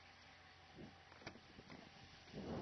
La interpretación suele durar un poco más de veinte minutos.